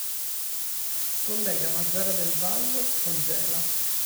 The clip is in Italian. Collega Mazara del Vallo con Gela.